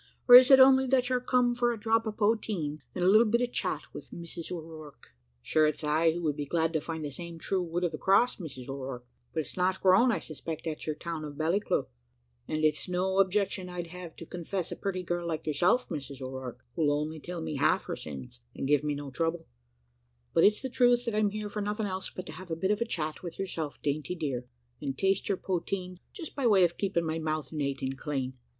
or is it only that you're come for a drop of poteen, and a little bit of chat with Mrs O'Rourke?' "`Sure it's I who'd be glad to find the same true wood of the cross, Mrs O'Rourke, but it's not grown, I suspect, at your town of Ballycleuch; and it's no objection I'd have to confess a purty girl like yourself, Mrs O'Rourke, who'll only tell me half her sins, and give me no trouble; but it's the truth, that I'm here for nothing else but to have a bit of chat with yourself, dainty dear, and taste your poteen, just by way of keeping my mouth nate and clane.'